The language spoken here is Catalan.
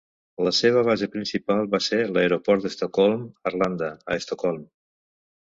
La seva base principal va ser l'aeroport d'Estocolm-Arlanda, a Estocolm.